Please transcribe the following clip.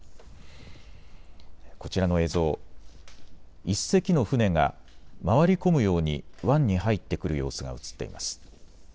こちらの映像、１隻の船が回り込むように湾に入ってくる様子が映っています。